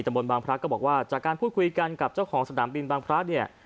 บนบางพระก็บอกว่าจากการพูดคุยกันกับเจ้าของสนามบินบางพระเนี่ย